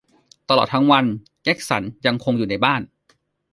ตลอดทั้งวัน เกร็กสันยังคงอยู่ในบ้าน